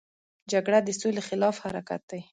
جګړه د سولې خلاف حرکت دی